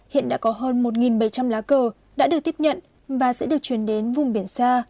hiện đã có hơn một bảy trăm linh lá cờ đã được tiếp nhận và sẽ được chuyển đến vùng biển xa